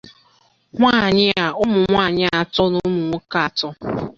Nwanyi a umu umuwanyi ato na umu nwoke ato.